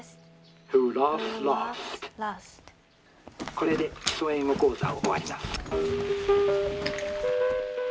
「これで『基礎英語講座』を終わります」。